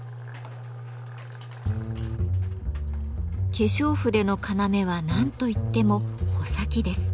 化粧筆の要は何と言っても「穂先」です。